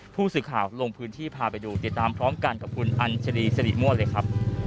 ผู้สื่อข่าวลงพื้นที่พาไปดูติดตามพร้อมกันกับคุณอัญชรีสิริมั่วเลยครับ